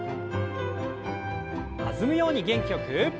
弾むように元気よく。